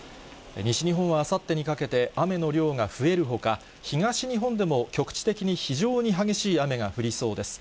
西日本はあさってにかけて雨の量が増えるほか、東日本でも局地的に非常に激しい雨が降りそうです。